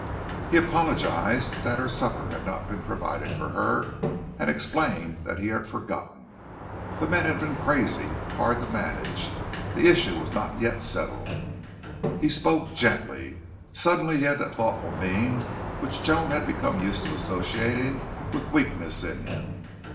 He apologized that her supper had not been provided for her and explained that he had forgotten. The men had been crazy hard to manage the issue was not yet settled. He spoke gently. Suddenly he had that thoughtful mien which Joan had become used to associating with weakness in him.